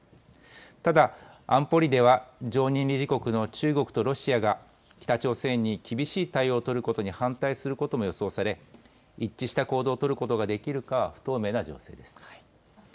ただ、安保理では常任理事国の中国とロシアが、北朝鮮に厳しい対応を取ることに反対することも予想され、一致した行動を取ることができるかは不透明な情勢です。